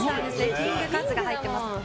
キングカズが入ってます。